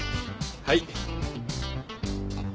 はい。